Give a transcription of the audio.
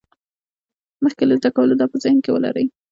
مخکې له زده کولو دا په ذهن کې ولرئ.